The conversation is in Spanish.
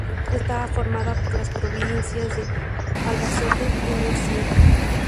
Estaba formada por las provincias de Albacete y Murcia.